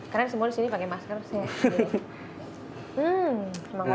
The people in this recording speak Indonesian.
karena semua di sini pakai masker